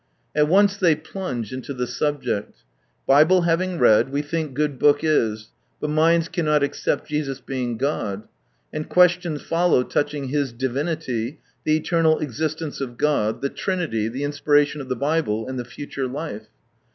At once they plunge into the subject "Bible having read, we think good Book is, but minds cannot accept Jesus being God," and ques tions follow touching His divinity, the eternal existence of God, the Trinity, the inspiration of the Bible, and the future life.